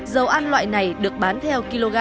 dầu ăn loại này được bán theo kg